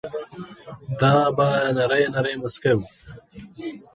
دای به نری نری مسکی و.